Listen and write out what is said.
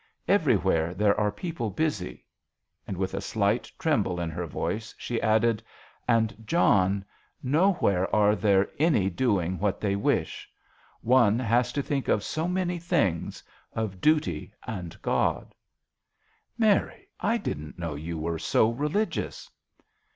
Everywhere there are people busy," and, with a slight tremble in her voice, she added, " and, John, nowhere are there any doing what they wish. One has to think of so many things of duty and God." " Mary, I didn't know you were so religious."